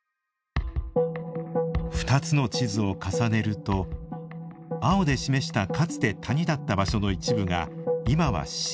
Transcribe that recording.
２つの地図を重ねると青で示した、かつて谷だった場所の一部が今は白に。